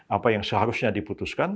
apa yang seharusnya diputuskan